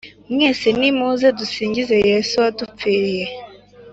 Mwese nimuze dusingize Yesu wadupfiriye